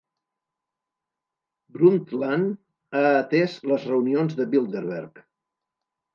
Brundtland ha atès les reunions de Bilderberg.